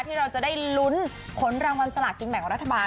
ที่เราจะได้ลุ้นผลรางวัลสลากินแบ่งรัฐบาล